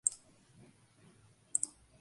Se utiliza en la medicina china.